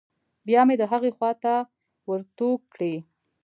بيا مې د هغې خوا ته ورتو کړې.